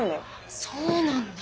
そうなんだ。